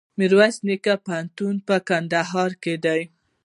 میرویس نیکه پوهنتون په کندهار کي دی.